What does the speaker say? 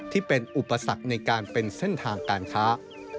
ที่เป็นอุปสรรคในการเป็นเส้นทางการค้า